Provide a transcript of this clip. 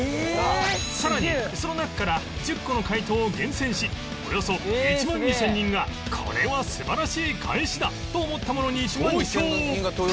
さらにその中から１０個の回答を厳選しおよそ１万２０００人が「これは素晴らしい返しだ！」と思ったものに投票